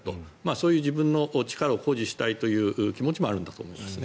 そういう自分の力を誇示したい気持ちもあるんだと思いますね。